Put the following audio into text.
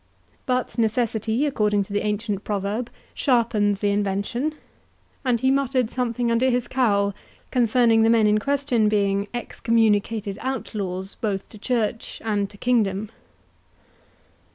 But necessity, according to the ancient proverb, sharpens invention, and he muttered something under his cowl concerning the men in question being excommunicated outlaws both to church and to kingdom.